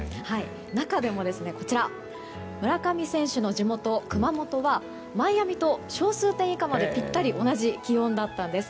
中でも、村上選手の地元・熊本はマイアミと小数点以下までピッタリ同じ気温だったんです。